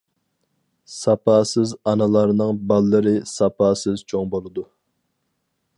ساپاسىز ئانىلارنىڭ باللىرى ساپاسىز چوڭ بولىدۇ.